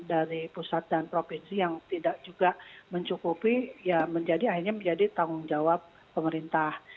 dan dari pusat dan provinsi yang tidak juga mencukupi ya menjadi akhirnya menjadi tanggung jawab pemerintah